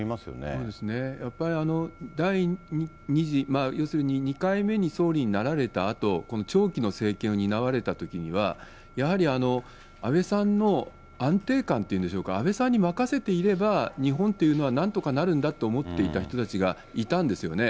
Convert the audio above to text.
そうですね、やっぱり第２次、要するに２回目に総理になられたあと、この長期の政権を担われたときには、やはり安倍さんの安定感っていうんでしょうか、安倍さんに任せていれば、日本というのはなんとかなるんだと思っていた人たちがいたんですよね。